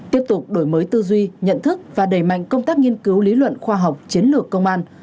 tiếp tục đổi mới tư duy nhận thức và đẩy mạnh công tác nghiên cứu lý luận khoa học chiến lược công an